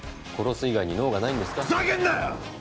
ふざけんな！